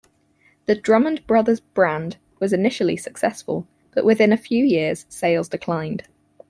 The Drummond Brothers brand was initially successful but within a few years sales declined.